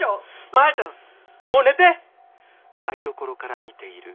マヤちゃんもう寝て！